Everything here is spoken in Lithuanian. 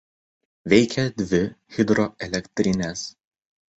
Veikia dvi hidroelektrinės.